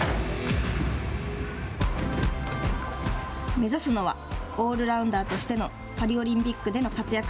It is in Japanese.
目指すのはオールラウンダーとしてのパリオリンピックでの活躍。